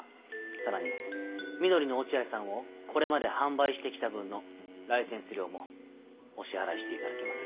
さらに「緑のおチアイさん」をこれまで販売してきた分のライセンス料もお支払いしていただきます。